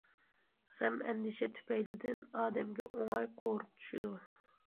غەم- ئەندىشە تۈپەيلىدىن ئادەمگە ئوڭاي قورۇق چۈشىدۇ.